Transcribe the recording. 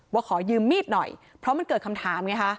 ขอยืมมีดหน่อยเพราะมันเกิดคำถามไงคะ